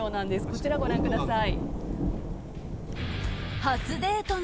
こちら、ご覧ください。